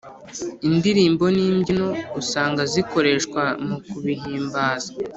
indirimbo n’imbyino usanga zikoreshwa mu kubihimbaza.